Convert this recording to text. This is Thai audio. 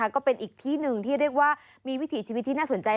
ก็เป็นอีกที่หนึ่งที่เรียกว่ามีวิถีชีวิตที่น่าสนใจ